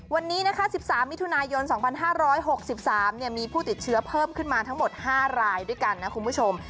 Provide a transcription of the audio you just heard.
วันนี้นะคะ๑๓มิถุนายน๒๕๖๓มีผู้ติดเชื้อเพิ่มขึ้นมาทั้งหมด๕รายด้วยกันนะคุณผู้ชม